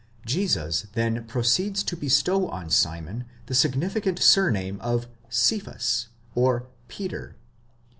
Jesus then proceeds to bestow on Simon the significant surname of Cephas or Peter.